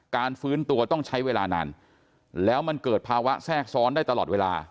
ฟื้นตัวต้องใช้เวลานานแล้วมันเกิดภาวะแทรกซ้อนได้ตลอดเวลา